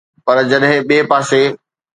پر جڏهن ٻئي پاسي